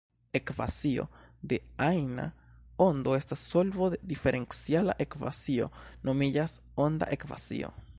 Ekvacio de ajna ondo estas solvo de diferenciala ekvacio, nomiĝas "«onda ekvacio»".